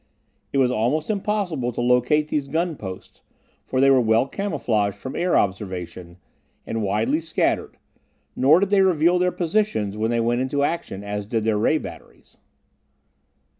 It was almost impossible to locate these gun posts, for they were well camouflaged from air observation, and widely scattered; nor did they reveal their positions when they went into action as did their ray batteries.